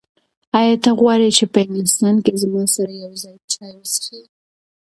ایا ته غواړې چې په انګلستان کې زما سره یو ځای چای وڅښې؟